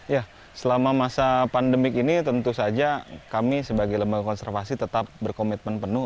ya selama masa pandemik ini tentu saja kami sebagai lembaga konservasi tetap berkomitmen penuh